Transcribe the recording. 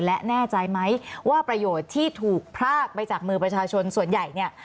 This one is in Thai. และแน่ใจไหมว่าประโยชน์ที่ถูกพรากไปจากมือประชาชนส่วนใหญ่เนี่ย